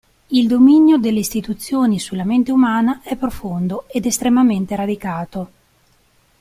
Il dominio delle istituzioni sulla mente umana è profondo ed estremamente radicato.